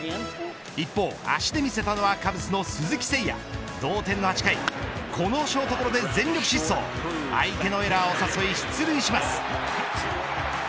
一方足で見せたのはカブスの鈴木誠也同点の８回このショートゴロで全力疾走相手のエラーを誘い出塁します。